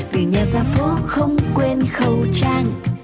từ nhà ra phố không quên khẩu trang